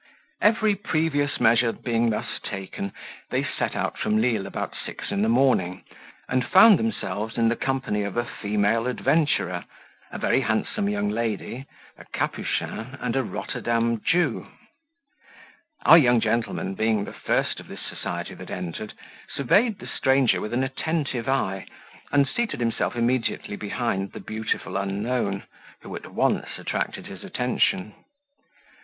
Every previous measure being thus taken, they set out from Lisle about six in the morning, and found themselves in the company of a female adventurer, a very handsome young lady, a Capuchin, and a Rotterdam Jew. Our young gentleman, being the first of this society that entered, surveyed the stranger with an attentive eye, and seated himself immediately behind the beautiful unknown, who at once attracted his attention.